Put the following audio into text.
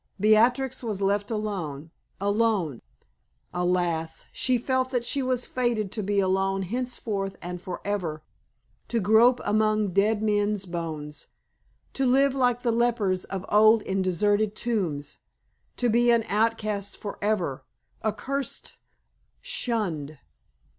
Beatrix was left alone alone! Alas! she felt that she was fated to be alone henceforth and forever to grope among dead men's bones to live like the lepers of old in deserted tombs to be an outcast forever accursed, shunned!